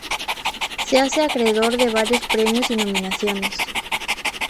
Se hace acreedor de varios premios y nominaciones.